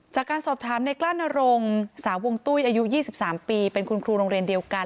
จากการสอบถามในกล้านรงสาวงตุ้ยอายุ๒๓ปีเป็นคุณครูโรงเรียนเดียวกัน